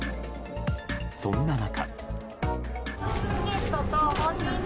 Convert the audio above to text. そんな中。